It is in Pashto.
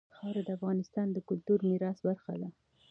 خاوره د افغانستان د کلتوري میراث برخه ده.